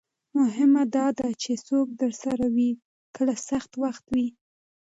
مهمه دا ده چې څوک درسره وي کله سخت وخت وي.